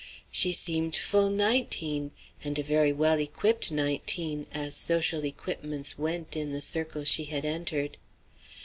She seemed full nineteen, and a very well equipped nineteen as social equipments went in the circle she had entered.